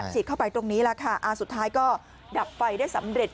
เข้าไปตรงนี้แหละค่ะอ่าสุดท้ายก็ดับไฟได้สำเร็จ